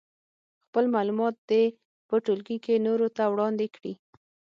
خپل معلومات دې په ټولګي کې نورو ته وړاندې کړي.